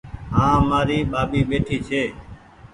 هآنٚ مآري ٻآٻي ٻيٺي ڇي